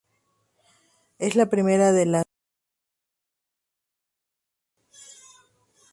Es la primera de las novelas de la serie La Cultura.